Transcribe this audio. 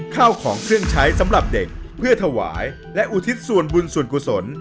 ข้าวของเครื่องใช้สำหรับเด็กเพื่อถวายและอุทิศส่วนบุญส่วนกุศล